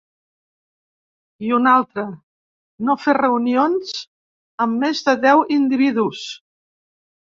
I una altra, no fer reunions amb més de deu individus.